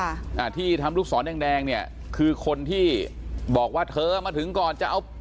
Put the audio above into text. อ่าที่ทำลูกศรแดงแดงเนี่ยคือคนที่บอกว่าเธอมาถึงก่อนจะเอา